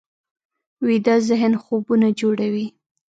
ویده ذهن خوبونه جوړوي